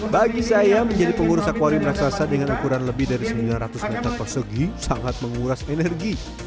bagi saya menjadi pengurus akwarium raksasa dengan ukuran lebih dari sembilan ratus meter persegi sangat menguras energi